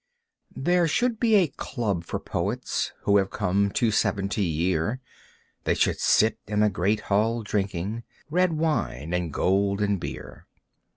There should be a club for poets Who have come to seventy year. They should sit in a great hall drinking Red wine and golden beer.